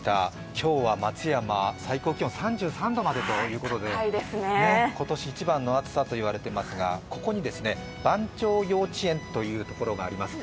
今日は松山、最高気温３３度までということで今年一番の暑さといわれていますがここに番町幼稚園というところがあります。